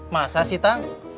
masa sih tang